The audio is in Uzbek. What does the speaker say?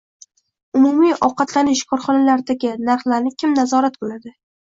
Umumiy ovqatlanish korxonalardagi narxlarni kim nazorat qiladi❓